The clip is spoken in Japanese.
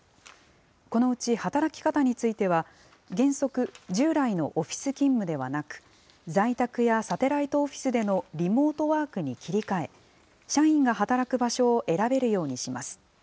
このうち働き方については、原則、従来のオフィス勤務ではなく、在宅やサテライトオフィスでのリモートワークに切り替え、社員が働く場所を選べるようにします。